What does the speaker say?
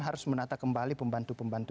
harus menata kembali pembantu pembantu